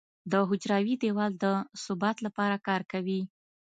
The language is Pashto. د حجروي دیوال د ثبات لپاره کار کوي.